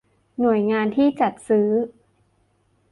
หน่วยงานที่จัดซื้อ